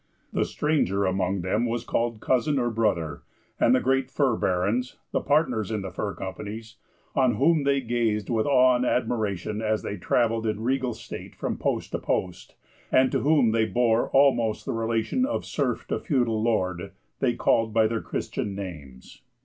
The stranger among them was called Cousin, or Brother, and the great fur barons, the partners in the fur companies, on whom they gazed with awe and admiration, as they travelled in regal state from post to post, and to whom they bore almost the relation of serf to feudal lord, they called by their Christian names.